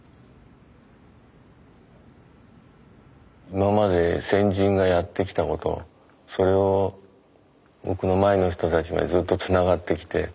今まで先人がやってきたことそれを僕の前の人たちまでずっとつながってきて